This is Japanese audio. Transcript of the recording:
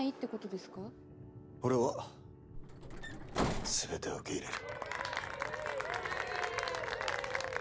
俺は全てを受け入れる。